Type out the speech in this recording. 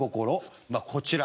こちら